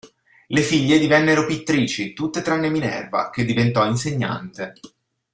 Le figlie divennero pittrici, tutte tranne Minerva che diventò insegnante.